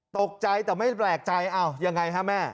ตกใจแต่ไม่แปลกใจอ้าวยังไงฮะแม่